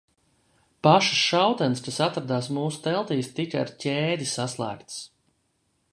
Pašas šautenes, kas atradās mūsu teltīs, tika ar ķēdi saslēgtas.